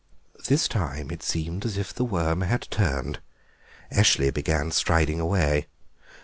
This time it seemed as if the worm had turned; Eshley began striding away.